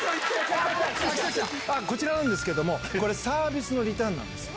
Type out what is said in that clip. きたきた、こちらなんですけど、これ、サービスのリターンなんです。